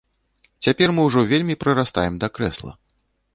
Цяпер мы ўжо вельмі прырастаем да крэсла.